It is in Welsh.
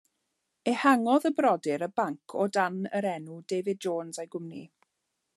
Ehangodd y brodyr y banc o dan yr enw David Jones a'i Gwmni.